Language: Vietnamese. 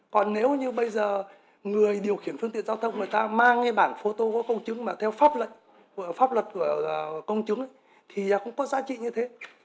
còn nếu như bây giờ người điều khiển phương tiện giao thông người ta mang cái bản phô tô có công chứng mà theo pháp lệnh pháp luật của công chúng thì cũng có giá trị như thế